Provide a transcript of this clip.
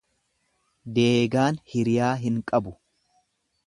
Deegaan hiriyaa hin qabu.